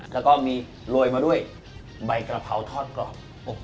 แล้วก็มีโรยมาด้วยใบกระเพราทอดกรอบ